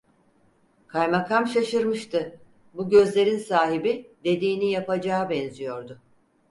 Kaymakam şaşırmıştı, bu gözlerin sahibi dediğini yapacağa benziyordu…